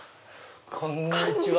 こんにちは。